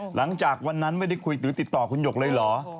หลังจากวันนั้นไม่ได้คุยหรือติดต่อคุณหยกเลยเหรอ